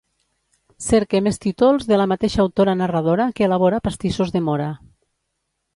Cerque més títols de la mateixa autora narradora que elabora pastissos de móra.